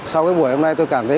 sau buổi hôm nay tôi cảm thấy